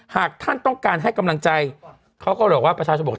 หากท่านต้องการให้กำลังใจเขาก็บอกว่าประชาชนบอก